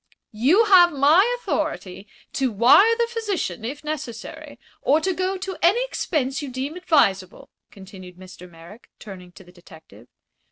"You have my authority to wire the physician, if necessary, or to go to any expense you deem advisable," continued Mr. Merrick, turning to the detective.